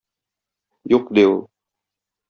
Юк, - ди ул.